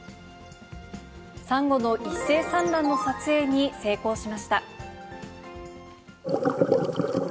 サンゴの一斉産卵の撮影に成功しました。